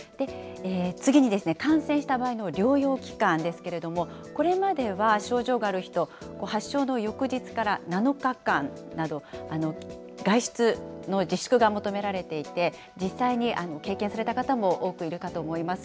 次に、感染した場合の療養期間ですけれども、これまでは症状がある人、発症の翌日から７日間など、外出の自粛が求められていて、実際に経験された方も多くいるかと思います。